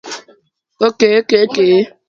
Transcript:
One male can pollenize several females.